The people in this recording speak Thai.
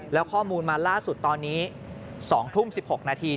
แล้วข้อมูลมาล่าสุดตอนนี้๒ทุ่ม๑๖นาที